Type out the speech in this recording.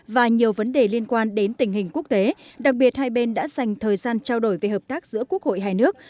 và nhiều vấn đề liên quan đến tình hình quốc tế đặc biệt hai bên đã dành thời gian trao đổi về hợp tác giữa quốc hội hai nước